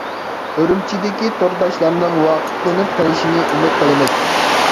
ئۈرۈمچىدىكى تورداشلارنىڭ ۋاقىپلىنىپ قېلىشىنى ئۈمىد قىلىمىز!